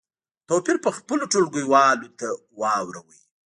توپیر په خپلو ټولګیوالو ته واوروئ.